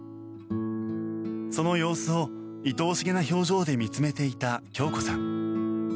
その様子をいとおしげな表情で見つめていた恭子さん。